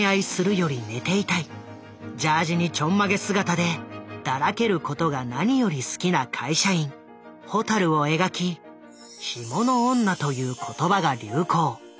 ジャージにちょんまげ姿でだらけることが何より好きな会社員ホタルを描き「干物女」という言葉が流行。